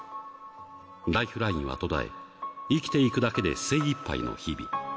ライフラインは途絶え、生きていくだけで精いっぱいの日々。